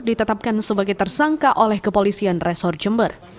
ditetapkan sebagai tersangka oleh kepolisian resor jember